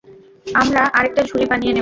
আমরা আরেকটা ঝুড়ি বানিয়ে নেব।